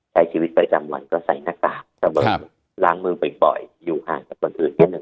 ใช้ชีวิตประจำวันก็ใส่หน้ากากล้างมือไปบ่อยอยู่ห่างจากตอนที่อีก๑เมตรอย่างนอน